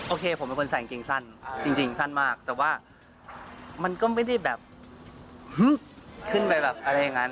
โอเคผมเป็นคนใส่กางเกงสั้นจริงสั้นมากแต่ว่ามันก็ไม่ได้แบบขึ้นไปแบบอะไรอย่างนั้น